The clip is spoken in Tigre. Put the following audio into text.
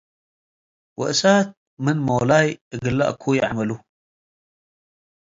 ወእሳት መነ ሞላዬ - እግ’ለ ኡኩይ ዓማሉ